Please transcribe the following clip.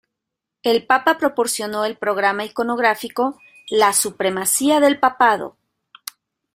El papa proporcionó el programa iconográfico: la supremacía del papado.